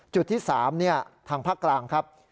จุดที่๓ทางภาคกลางครับ